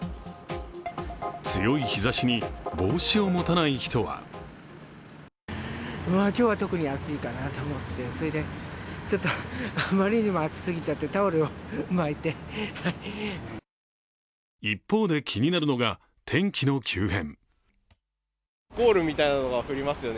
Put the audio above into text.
強い日ざしに帽子を持たない人は一方で、気になるのが天気の急変。